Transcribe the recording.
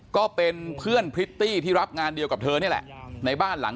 ก็เป็นเพื่อนพริตตี้ที่รับงานเดียวกับเธอนี่แหละในบ้านหลัง